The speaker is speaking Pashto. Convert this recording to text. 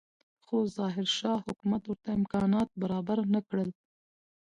خو ظاهرشاه حکومت ورته امکانات برابر نه کړل.